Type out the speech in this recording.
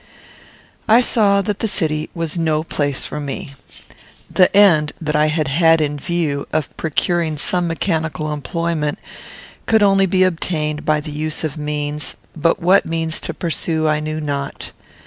I saw that the city was no place for me. The end that I had had in view, of procuring some mechanical employment, could only be obtained by the use of means, but what means to pursue I knew not.